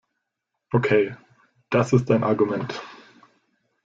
Okay, das ist ein Argument.